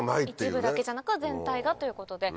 一部だけじゃなく全体がということで。